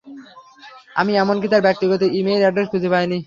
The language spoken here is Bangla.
আমি এমনকি তার ব্যক্তিগত ই-মেইল এ্যাড্রেস খুঁজে পাইনি।